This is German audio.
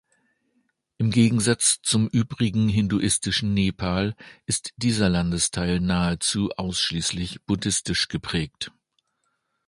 Im Gegensatz zum übrigen hinduistischen Nepal ist dieser Landesteil nahezu ausschließlich buddhistisch geprägt.